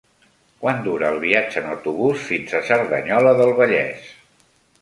Quant dura el viatge en autobús fins a Cerdanyola del Vallès?